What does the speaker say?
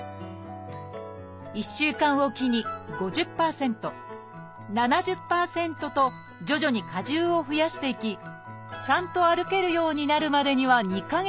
１週間置きに５０％７０％と徐々に荷重を増やしていきちゃんと歩けるようになるまでには２か月かかります。